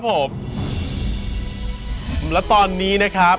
โอ้รักมาก